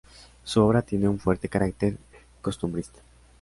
Su obra tiene un fuerte carácter costumbrista.